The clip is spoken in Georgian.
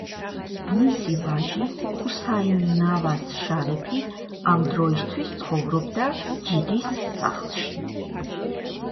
მისი ვაჟი, ჰუსაინ ნავაზ შარიფი, ამ დროისთვის ცხოვრობს ჯიდის სახლში.